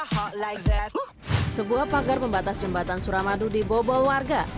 yang menyebabkan penyakit yang terjadi di suramadu